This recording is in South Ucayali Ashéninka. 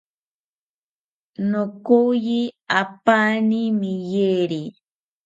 Nokoyi apani meyiri